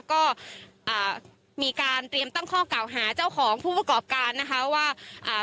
ก็อ่ามีการเตรียมตั้งข้อเก่าหาเจ้าของผู้ประกอบการนะคะว่าอ่า